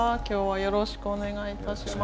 よろしくお願いします。